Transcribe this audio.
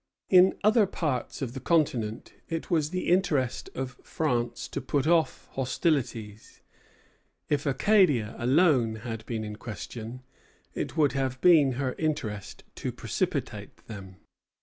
In other parts of the continent it was the interest of France to put off hostilities; if Acadia alone had been in question, it would have been her interest to precipitate them.